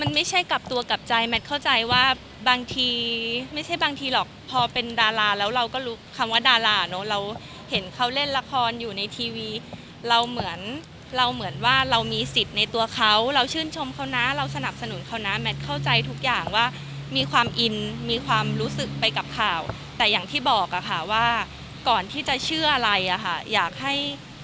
ไม่ใช่กลับตัวกลับใจแมทเข้าใจว่าบางทีไม่ใช่บางทีหรอกพอเป็นดาราแล้วเราก็รู้คำว่าดาราเนอะเราเห็นเขาเล่นละครอยู่ในทีวีเราเหมือนเราเหมือนว่าเรามีสิทธิ์ในตัวเขาเราชื่นชมเขานะเราสนับสนุนเขานะแมทเข้าใจทุกอย่างว่ามีความอินมีความรู้สึกไปกับข่าวแต่อย่างที่บอกอะค่ะว่าก่อนที่จะเชื่ออะไรอ่ะค่ะอยากให้